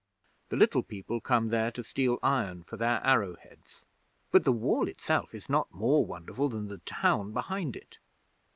The Little People come there to steal iron for their arrow heads. 'But the Wall itself is not more wonderful than the town behind it.